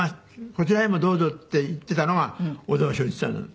「こちらへもどうぞ」って言っていたのが小沢昭一さんなの。